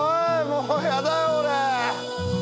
もうやだよ俺。